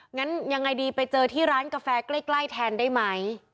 งั้นยังไงดีไปเจอที่ร้านกาแฟใกล้แทนได้ไหม